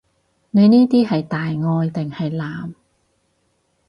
你呢啲係大愛定係濫？